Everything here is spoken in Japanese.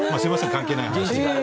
関係ない話で。